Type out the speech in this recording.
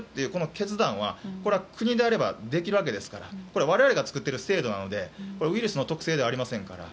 決断は、これは国であればできるわけですから我々が作っている制度なのでこれはウイルスの特性ではありませんから。